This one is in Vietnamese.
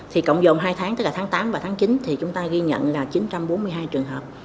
thì cộng dồn hai tháng tức là tháng tám và tháng chín thì chúng ta ghi nhận là chín trăm bốn mươi hai trường hợp